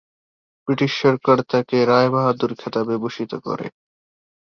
British সরকার তাঁকে "রায়বাহাদুর" খেতাবে ভূষিত করে।